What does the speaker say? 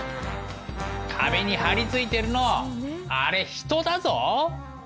壁に張り付いてるのあれ人だぞ。